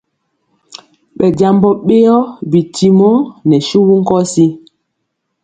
Ɓɛ jambɔ ɓeyɔ bitimɔ nɛ suwu nkɔsi.